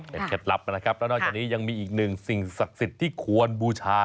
เป็นเคล็ดลับนะครับแล้วนอกจากนี้ยังมีอีกหนึ่งสิ่งศักดิ์สิทธิ์ที่ควรบูชา